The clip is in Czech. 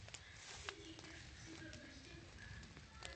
Společnost bude nadále působit pod původním jménem.